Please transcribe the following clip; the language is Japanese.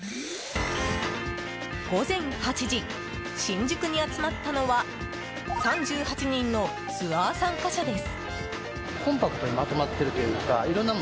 午前８時、新宿に集まったのは３８人のツアー参加者です。